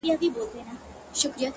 زما د زړه په کور دې ور نه لګي